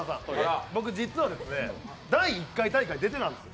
僕、実は第１回大会、出てたんです。